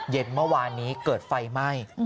เย็นเมื่อวานนี้เกิดไฟไหม้